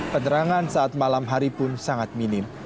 penerangan saat malam hari pun sangat minim